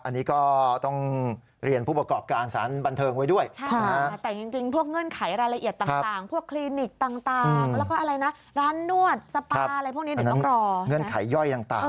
อันนี้ก็ต้องเรียนผู้ประกอบการสารบันเทิงไว้ด้วย